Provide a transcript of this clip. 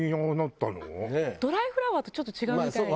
ドライフラワーとちょっと違うみたい。